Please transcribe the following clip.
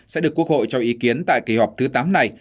sẽ được quốc hội cho ý kiến tại kỳ họp thứ tám này